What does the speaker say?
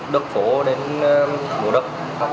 đức phổ đến mộ đức